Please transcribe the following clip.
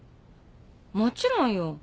もちろんよ。